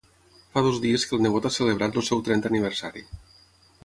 Fa dos dies que el nebot ha celebrat el seu trenta aniversari.